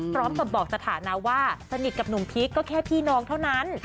พร้อมกับบอกสถานะว่าสนิทกับหนุ่มพีคก็แค่พี่น้องเท่านั้น